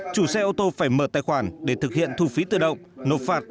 chủ xe ô tô phải mở tài khoản để thực hiện thu phí tự động nộp phạt